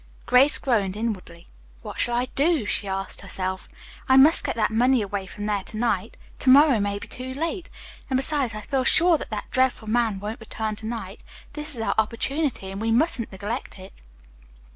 Grace groaned inwardly. "What shall I do?" she asked herself. "I must get that money away from there to night. To morrow may be too late, and besides I feel sure that that dreadful man won't return to night. This is our opportunity and we mustn't neglect it."